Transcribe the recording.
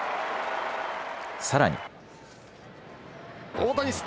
さらに。